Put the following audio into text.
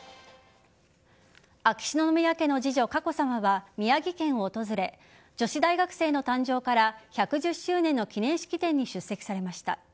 秋篠宮家の次女・佳子さまは宮城県を訪れ女子大学生の誕生から１１０周年の記念式典に出席されました。